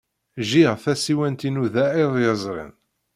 Jjiɣ tasiwant-inu da iḍ yezrin.